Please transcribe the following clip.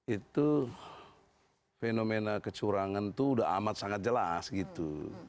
itu fenomena kecurangan itu udah amat sangat jelas gitu